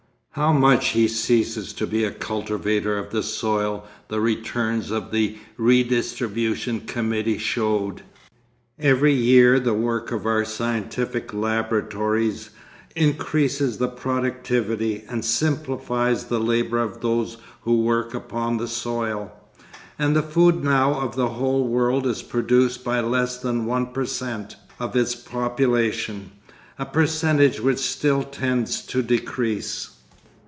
How much he ceases to be a cultivator of the soil the returns of the Redistribution Committee showed. Every year the work of our scientific laboratories increases the productivity and simplifies the labour of those who work upon the soil, and the food now of the whole world is produced by less than one per cent. of its population, a percentage which still tends to decrease.